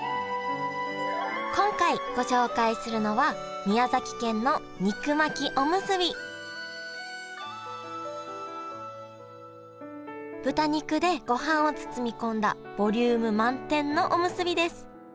今回ご紹介するのは豚肉でごはんを包み込んだボリューム満点のおむすびです。